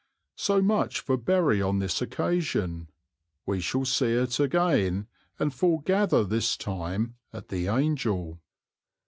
So much for Bury on this occasion. We shall see it again, and foregather this time at the "Angel."